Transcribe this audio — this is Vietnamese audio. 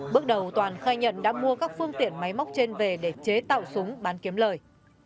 bước đầu toàn khai nhận đã mua các phương tiện máy móc trên về để chế tạo súng bán kiếm lời